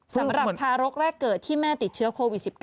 สำหรับทารกแรกเกิดที่แม่ติดเชื้อโควิด๑๙